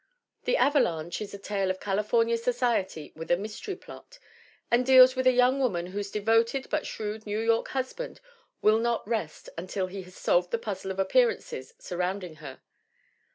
The Avalanche is a tale of California society with a mystery plot, and deals with a young woman whose devoted but shrewd New York husband will not rest until he has solved the puzzle of appearances surrounding her.